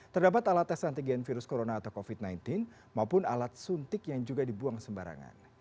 terdapat alat tes antigen virus corona atau covid sembilan belas maupun alat suntik yang juga dibuang sembarangan